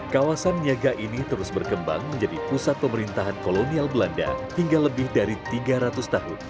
kawasan niaga ini terus berkembang menjadi pusat pemerintahan kolonial belanda hingga lebih dari tiga ratus tahun